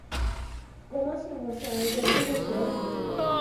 Como assim você ainda usa cheque?